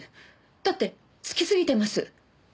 だってツキすぎてます。